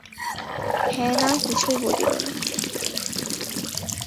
হ্যাঁ, না কিছুই বলল না।